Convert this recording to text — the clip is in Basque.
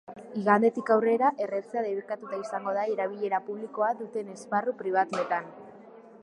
Igandetik aurrera, erretzea debekatuta izango da erabilera publikoa duten esparru pribatuetan.